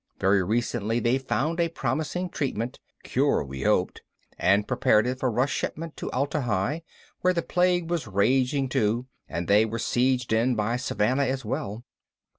Very recently they'd found a promising treatment (cure, we hoped) and prepared it for rush shipment to Atla Hi, where the plague was raging too and they were sieged in by Savannah as well.